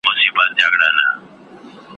د ساقي د پلار همزولی له منصور سره پر لار یم !.